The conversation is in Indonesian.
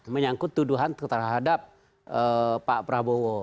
menyangkut tuduhan terhadap pak prabowo